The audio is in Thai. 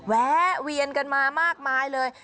แวะเวียนกันมามากมายเลย